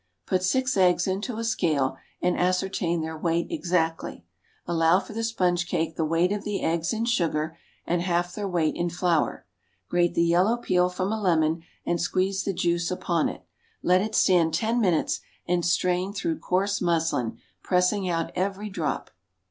Put six eggs into a scale and ascertain their weight exactly. Allow for the sponge cake the weight of the eggs in sugar, and half their weight in flour. Grate the yellow peel from a lemon and squeeze the juice upon it. Let it stand ten minutes, and strain through coarse muslin, pressing out every drop.